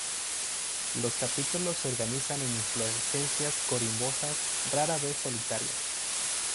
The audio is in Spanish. Los capítulos se organizan en inflorescencias corimbosas, rara vez solitarias.